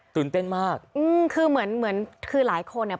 ตื่นเต้นมากอืมคือเหมือนเหมือนคือหลายคนเนี่ย